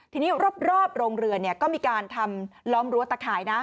ทีนี้รอบโรงเรือนก็มีการทำล้อมรั้วตะข่ายนะ